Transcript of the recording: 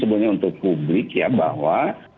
sebenarnya untuk publik ya bahwa